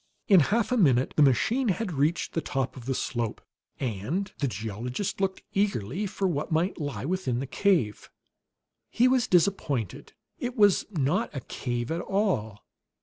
In half a minute the machine had reached the top of the slope, and the geologist looked eagerly for what might lie within the cave. He was disappointed; it was not a cave at all.